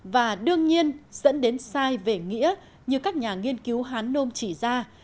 và đương nhiên dẫn đến sai về nghĩa như các nhà nghiên cứu hán nôm chỉ ra